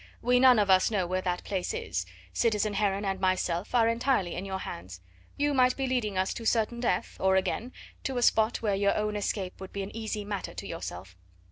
We none of us know where that place is citizen Heron and myself are entirely in your hands you might be leading us to certain death, or again to a spot where your own escape would be an easy matter to yourself.